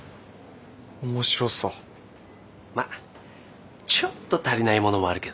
まっちょっと足りないものもあるけどね。